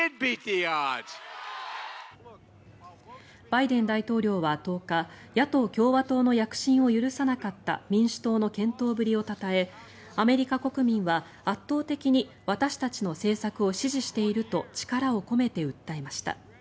バイデン大統領は１０日野党・共和党の躍進を許さなかった民主党の健闘ぶりをたたえアメリカ国民は圧倒的に私たちの政策を支持していると力を込めて訴えました。